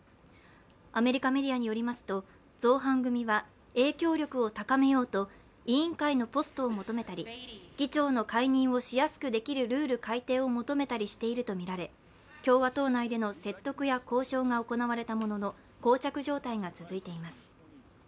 アメリカメディアによりますと、造反組は影響力を高めようと委員会のポストを求めたり、議長の解任をしやすくできるルール改定を求めたりしているとみられ共和党内での説得や交渉が行われたもののこう着状態が続いています。